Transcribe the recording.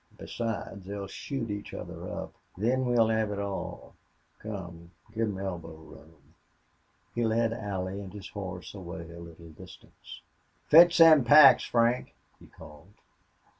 Besides, they'll shoot each other up. Then we'll hev it all. Come, give 'em elbow room." He led Allie and his horse away a little distance. "Fetch them packs, Frank," he called.